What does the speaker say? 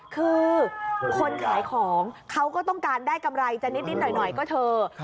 คือคนขายของเขาก็ต้องการได้กำไรจะนิดหน่อยก็เธอ